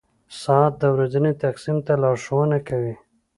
• ساعت د ورځې تقسیم ته لارښوونه کوي.